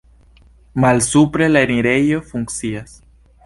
Malsupre la enirejo funkcias.